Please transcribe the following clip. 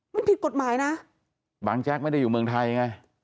มันผิดกฎหมายนะบางแจ๊กไม่ได้อยู่เมืองไทยไง